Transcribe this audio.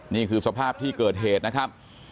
นี่คือสภาพที่เกิดเหตุนะครับ